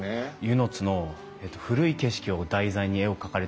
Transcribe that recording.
温泉津の古い景色を題材に絵を描かれてるじゃないですか。